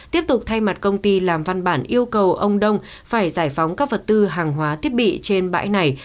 tiếp tục thay mặt công ty làm văn bản yêu cầu ông đông phải giải phóng các vật tư hàng hóa thiết bị trên bãi này